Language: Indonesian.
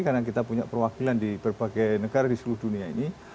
karena kita punya perwakilan di berbagai negara di seluruh dunia ini